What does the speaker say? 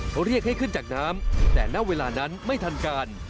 เขาเรียกให้ขึ้นจากน้ำแต่ณเวลานั้นไม่ทันการ